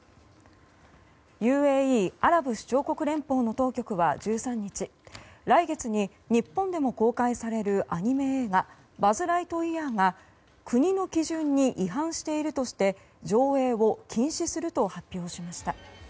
ＵＡＥ・アラブ首長国連邦の当局は１３日来月に日本でも公開されるアニメ映画「バズ・ライトイヤー」が国の基準に違反しているとして上映を禁止すると発表しました。